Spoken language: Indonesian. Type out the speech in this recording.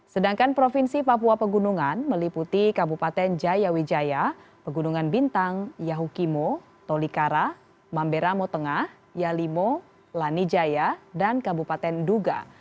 sedangkan provinsi papua pegunungan meliputi kabupaten jaya wijaya pegunungan bintang yahukimo tolikara mambera motengah yalimo lani jaya dan kabupaten nduga